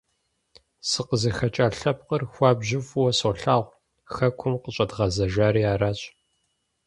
СыкъызыхэкӀа лъэпкъыр хуабжьу фӀыуэ солъагъу, хэкум къыщӀэдгъэзэжари аращ.